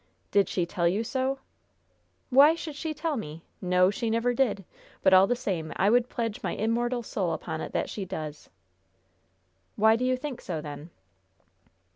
"Did she tell you so?" "Why should she tell me? No; she never did. But all the same I would pledge my immortal soul upon it that she does." "Why do you think so, then?"